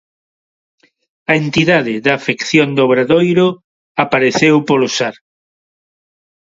A entidade da afección do Obradoiro apareceu polo Sar.